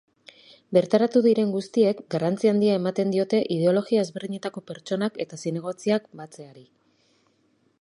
Bertaratu diren guztiek garrantzia handia eman diote ideologia ezberdinetako pertsonak eta zinegotziak batzeari.